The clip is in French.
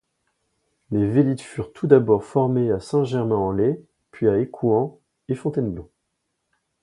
Les vélites furent tout d'abord formés à Saint-Germain-en-Laye puis à Écouen et Fontainebleau.